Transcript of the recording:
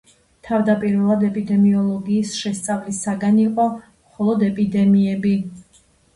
თავდაპირველად, ეპიდემიოლოგიის შესწავლის საგანი იყო მხოლოდ ეპიდემიები.